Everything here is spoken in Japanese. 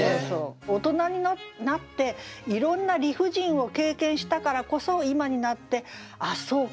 大人になっていろんな理不尽を経験したからこそ今になって「あっそうか。